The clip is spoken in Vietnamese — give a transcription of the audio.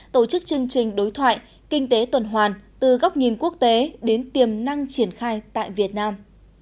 tổ chức chương trình đối thoại kinh tế tuần hoàn từ góc nhìn quốc tế đến tiềm năng triển khai tại việt nam